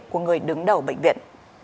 của người đứng đầu bệnh viện